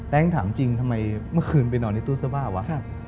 ถามจริงทำไมเมื่อคืนไปนอนในตู้เสื้อผ้าวะ